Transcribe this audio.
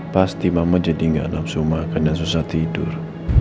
pasti mama jadi nggak nafsu makan dan susah tidur